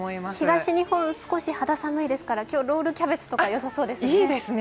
東日本、少し肌寒いですから、今日、ロールキャベツとかよさそうですね。